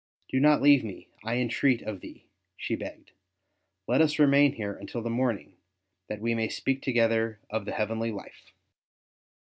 Do not leave me, I entreat of thee," she begged; *' let us remain here until the morning that we may speak together of the heavenly life."